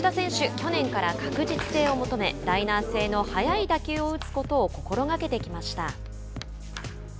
去年から確実性を求めライナー性の速い打球を打つことを心がけてきました。